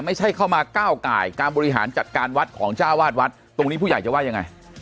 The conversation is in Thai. ไม่ใช่เข้ามาก้าวไก่การบริหารจัดการวัดของเจ้าวาดวัดตรงนี้ผู้ใหญ่จะว่ายังไง